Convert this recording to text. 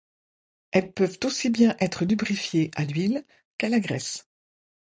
Elles peuvent aussi bien être lubrifiées à l’huile qu’à la graisse.